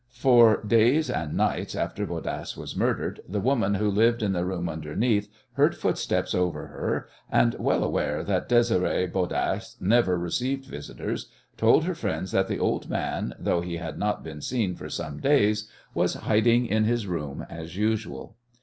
For days and nights after Bodasse was murdered the woman who lived in the room underneath heard footsteps over her and, well aware that Désiré Bodasse never received visitors, told her friends that the old man, though he had not been seen for some days, was hiding in his room as usual.